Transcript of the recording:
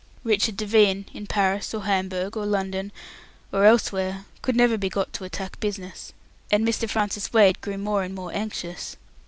Richard Devine in Paris, Hamburg, or London, or elsewhere could never be got to attack business, and Mr. Francis Wade grew more and more anxious.